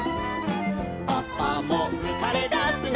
「パパもうかれだすの」